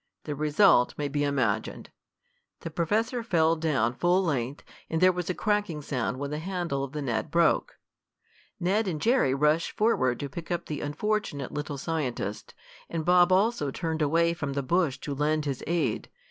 The result may be imagined. The professor fell down full length, and there was a cracking sound when the handle of the net broke. Ned and Jerry rushed forward to pick up the unfortunate little scientist, and Bob also turned away from the bush to lend his aid.